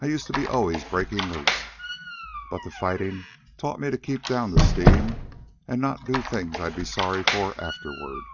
I used to be always breakin' loose. But the fightin' taught me to keep down the steam an' not do things I'd be sorry for afterward."